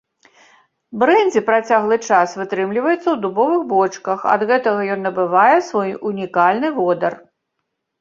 Брэндзі працяглы час вытрымліваецца ў дубовых бочках, ад гэтага ён набывае свой унікальны водар.